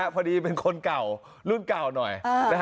เป็นคนเก่ารุ่นเก่าหน่อย